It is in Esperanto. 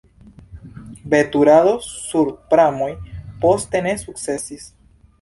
Veturado sur pramoj poste ne sukcesis.